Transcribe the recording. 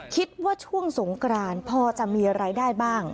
คิดว่าช่วงสงกรานพอจะมีรายได้บ้าง